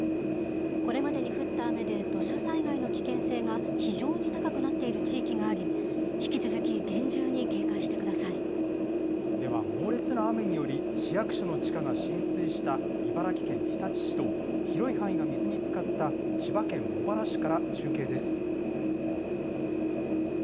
これまでに降った雨で土砂災害の危険性が非常に高くなっている地域があり、引き続き厳重に警戒しでは、猛烈な雨により、市役所の地下が浸水した茨城県日立市と、広い範囲が水につかった千葉県茂原市から中継です。